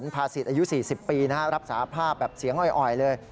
ภาษิตอายุ๔๐ปีรับสาภาพแบบเสียงอ่อยเลย